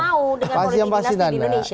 dengan politik dinasti di indonesia